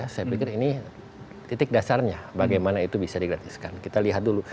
saya pikir ini titik dasarnya bagaimana itu bisa digratiskan kita lihat dulu